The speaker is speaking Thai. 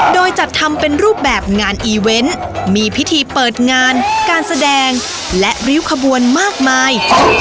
โดยจัดทำเป็นรูปแบบงานอีเวนต์มีพิธีเปิดงานการแสดงและริ้วขบวนมากมาย